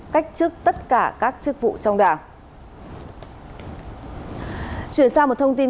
cách chức tất cả các chức vụ trong đảng